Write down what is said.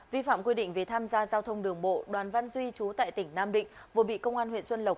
vi phạm quy định về tham gia giao thông đường bộ đoàn văn duy chú tại tỉnh nam định vừa bị công an huyện xuân lộc